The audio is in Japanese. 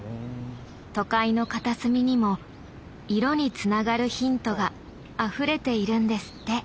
都会の片隅にも色につながるヒントがあふれているんですって。